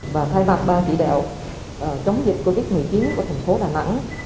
và thay vào ba kỷ đạo chống dịch covid một mươi chín của thành phố đà nẵng